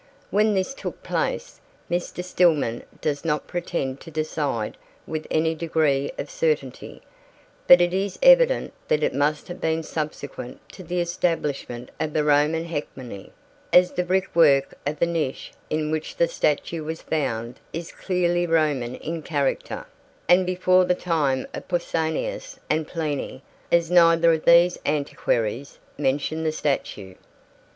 When this took place, Mr. Stillman does not pretend to decide with any degree of certainty, but it is evident that it must have been subsequent to the establishment of the Roman hegemony, as the brickwork of the niche in which the statue was found is clearly Roman in character, and before the time of Pausanias and Pliny, as neither of these antiquaries mentions the statue.